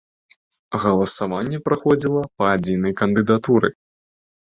Галасаванне праходзіла па адзінай кандыдатуры.